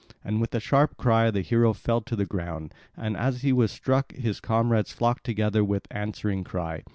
And with a sharp cry the hero fell to the ground; and as he was struck his comrades flocked together with answering cry.